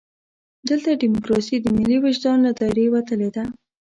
دلته ډیموکراسي د ملي وجدان له دایرې وتلې ده.